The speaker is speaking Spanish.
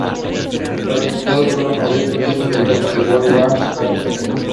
Los resultados fueron modestos, lejos del resto de World Rally Cars oficiales.